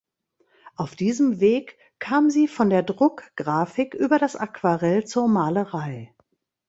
Auf diesem Weg kam sie von der Druckgrafik über das Aquarell zur Malerei.